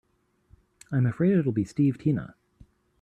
I'm afraid it'll be Steve Tina.